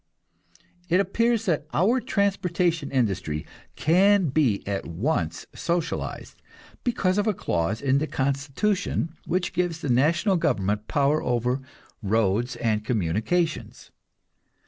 It appears that our transportation industry can be at once socialized, because of a clause in the constitution which gives the national government power over "roads and communications."